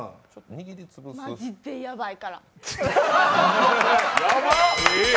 マジでやばいから！